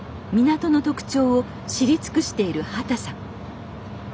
港の特徴を知り尽くしている畑さん